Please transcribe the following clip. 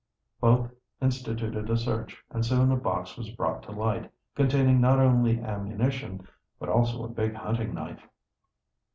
Both instituted a search, and soon a box was brought to light, containing not only ammunition, but also a big hunting knife.